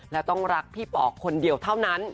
และต้องรักพี่ป๋อคนเดียวเท่านั้น